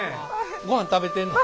ごはん食べてんの？